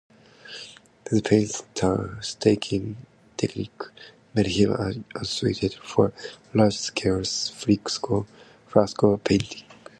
His painstaking technique made him unsuited for large-scale fresco painting.